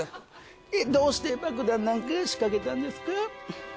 どうして爆弾なんて仕掛けたんですか？